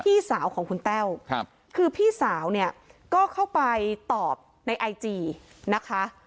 พี่สาวของคุณแต้วครับคือพี่สาวเนี่ยก็เข้าไปตอบในไอจีนะคะ